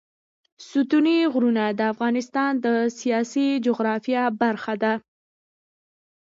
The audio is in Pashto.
ستوني غرونه د افغانستان د سیاسي جغرافیه برخه ده.